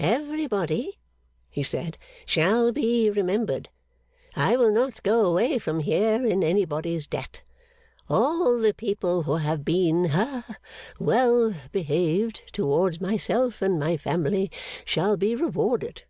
'Everybody,' he said, 'shall be remembered. I will not go away from here in anybody's debt. All the people who have been ha well behaved towards myself and my family, shall be rewarded.